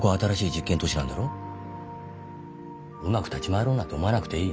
うまく立ち回ろうなんて思わなくていい。